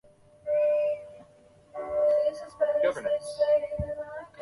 有些家族性高醛固酮症可用地塞米松进行治疗。